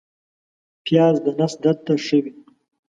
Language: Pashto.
پیاز د نس درد ته ښه وي